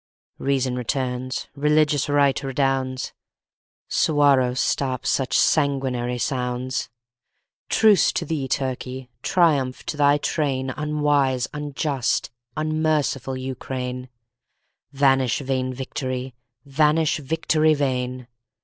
Reason returns, religious right redounds, Suwarrow stops such sanguinary sounds. Truce to thee, Turkey! Triumph to thy train, Unwise, unjust, unmerciful Ukraine! Vanish vain victory! vanish, victory vain!